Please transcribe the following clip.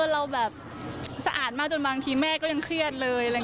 เราแบบสะอาดมากจนบางทีแม่ก็ยังเครียดเลย